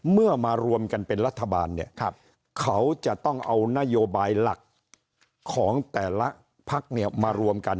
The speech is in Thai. เมื่อมารวมกันเป็นรัฐบาลเขาจะต้องเอานโยบายหลักของแต่ละภาคมารวมกัน